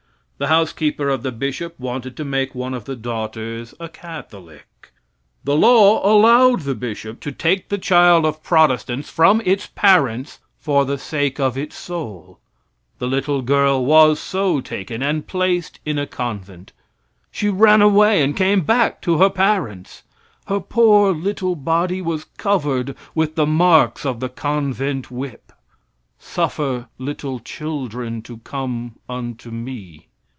The housekeeper of the bishop wanted to make one of the daughters a Catholic. The law allowed the bishop to take the child of Protestants from its parents for the sake of its soul. The little girl was so taken and placed in a convent. She ran away and came back to her parents. Her poor little body was covered with the marks of the convent whip. "Suffer little children to come unto me."